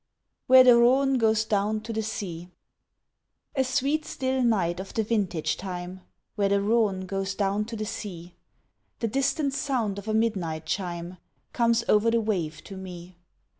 "WHERE THE RHONE GOES DOWN TO THE SEA" A sweet still night of the vintage time, Where the Rhone goes down to the sea; The distant sound of a midnight chime Comes over the wave to me.